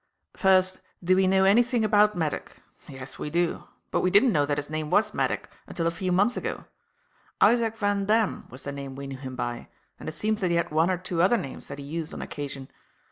"First, do we know anything about Maddock? Yes, we do. But we didn't know that his name was Maddock until a few months ago. Isaac Vandamme was the name we knew him by, and it seems that he had one or two other names that he used on occasion.